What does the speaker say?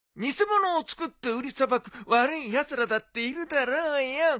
偽物を作って売りさばく悪いやつらだっているだろうよ。